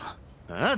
ああ？